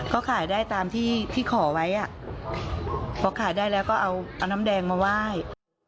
ก็ขายได้ตามที่ที่ขอไว้พอขายได้แล้วก็เอาน้ำแดงมาไหว้